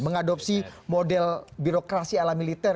mengadopsi model birokrasi ala militer